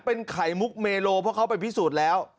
เป็นไข่มุกเมโลเพราะเขาไปพิสูจน์แล้ว